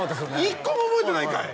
１個も覚えてないんかい！